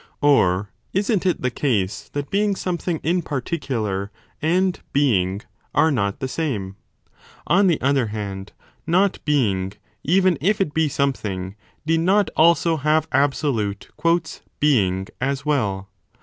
Or isn t it the case that being something in particu lar and Being are not the same ? On the other hand, Not being, even if it be something, need not also have absolute being as well.